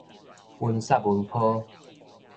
歕雪文泡